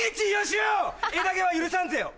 枝毛は許さんぜよ。